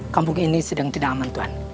kampung ini sedang tidak aman tuhan